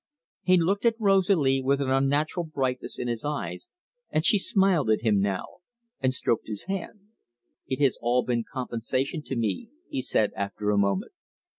'" He looked at Rosalie with an unnatural brightness in his eyes, and she smiled at him now and stroked his hand. "It has been all compensation to me," he said, after a moment.